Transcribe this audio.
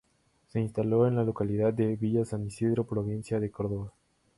Se instaló en la localidad de Villa San Isidro, Provincia de Córdoba.